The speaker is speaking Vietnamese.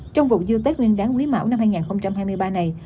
trong vụ dưa tết ninh đáng quý mảo năm hai nghìn hai mươi ba này